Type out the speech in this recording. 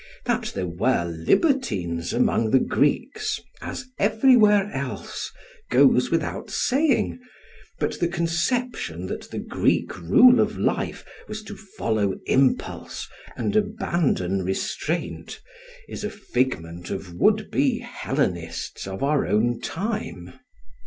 That there were libertines among the Greeks, as everywhere else, goes without saying; but the conception that the Greek rule of life was to follow impulse and abandon restraint is a figment of would be "Hellenists" of our own time.